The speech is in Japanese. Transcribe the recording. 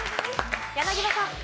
柳葉さん。